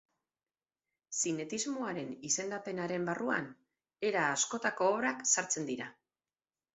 Zinetismoaren izendapenaren barruan era askotako obrak sartzen dira.